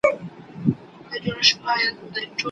د ښووني میتودونه باید د وخت سره بدل سي.